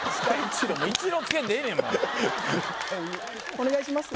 お願いします